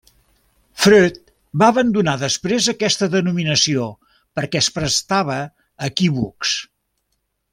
Freud va abandonar després aquesta denominació perquè es prestava a equívocs.